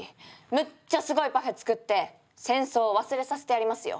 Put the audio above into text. むっちゃすごいパフェ作って戦争を忘れさせてやりますよ。